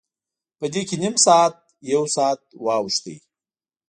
په دې کې نیم ساعت، یو ساعت واوښت.